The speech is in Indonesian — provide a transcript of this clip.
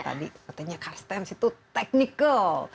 tadi katanya karstens itu technical